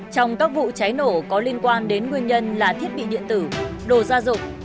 trong các vụ cháy nổ có liên quan đến nguyên nhân là thiết bị điện tử đồ gia dụng